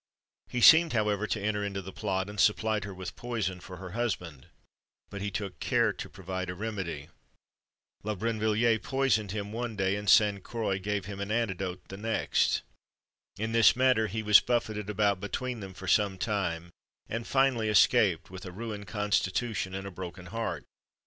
He seemed, however, to enter into the plot, and supplied her with poison for her husband; but he took care to provide a remedy. La Brinvilliers poisoned him one day, and Sainte Croix gave him an antidote the next. In this manner he was buffeted about between them for some time, and finally escaped, with a ruined constitution and a broken heart.